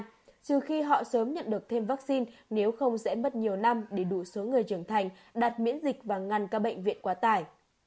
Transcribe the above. nhưng khi họ sớm nhận được thêm vaccine nếu không sẽ mất nhiều năm để đủ số người trưởng thành đạt miễn dịch và ngăn các bệnh viện quá tải